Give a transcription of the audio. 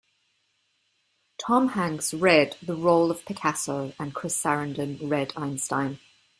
Tom Hanks read the role of Picasso, and Chris Sarandon read Einstein.